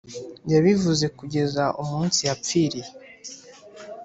yabivuze kugeza umunsi yapfiriye